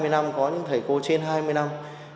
một mươi chín hai mươi năm có những thầy cô trên hai mươi năm